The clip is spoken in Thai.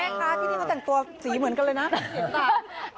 แน็กคะที่นี่มันแต่งตัวสีเหมือนกันเลยนะ